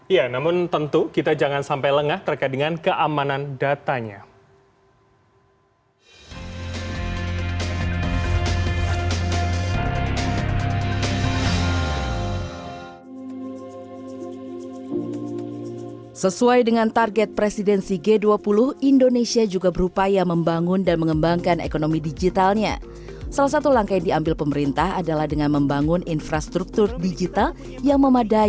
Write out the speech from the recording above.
ya namun tentu kita jangan sampai lengah terkait dengan keamanan datanya